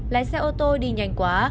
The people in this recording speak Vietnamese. lái xe ô tô đi nhanh quá